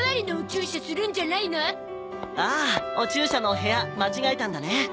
ああお注射のお部屋間違えたんだね。